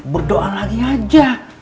berdoa lagi aja